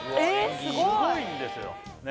すごいんですよ